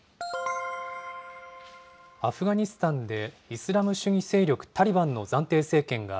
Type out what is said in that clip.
アフガニスタンでイスラム主義勢力タリバンの暫定政権が、